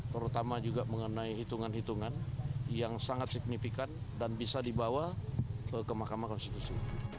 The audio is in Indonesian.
terutama juga mengenai hitungan hitungan yang sangat signifikan dan bisa dibawa ke mahkamah konstitusi